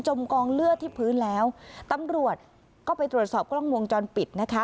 กองเลือดที่พื้นแล้วตำรวจก็ไปตรวจสอบกล้องวงจรปิดนะคะ